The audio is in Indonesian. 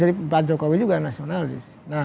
jadi pak jokowi juga nasionalis